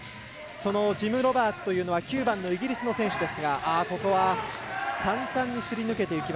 そのジム・ロバーツというのは９番のイギリスの選手です。